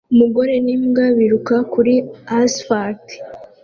Umugore n'imbwa biruka kuri asfalt